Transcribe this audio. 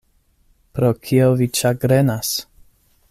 Pro kio vi ĉagrenas?